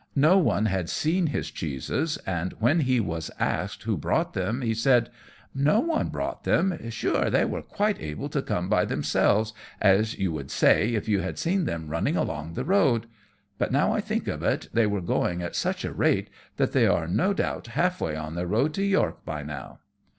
No one had seen his cheeses, and when he was asked who brought them he said, "No one brought them. Sure they were quite able to come by themselves, as you would say if you had seen them running along the road; but now I think of it, they were going at such a rate that they are no doubt half way on their road to York by now."